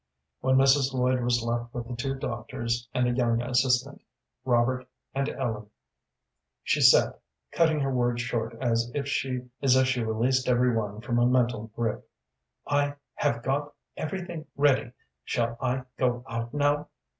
When Mrs. Lloyd was left with the two doctors and a young assistant, Robert, and Ellen, she said, cutting her words short as if she released every one from a mental grip: "I have got everything ready. Shall I go out now?"